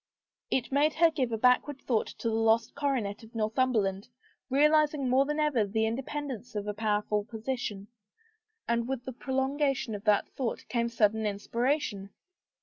It made her give a backward thought to the lost coronet of Northum berland, realizing more than ever the independence of a powerful position, and with the prolongation of that thought came sudden inspiration.